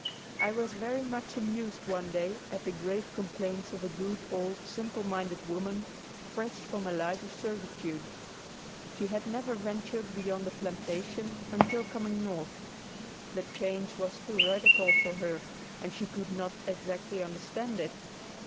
I was very much amused one day at the grave complaints of a good old, simple minded woman, fresh from a life of servitude. She had never ventured beyond a plantation until coming North. The change was too radical for her, and she could not exactly understand it.